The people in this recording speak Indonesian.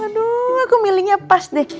aduh aku milihnya pas deh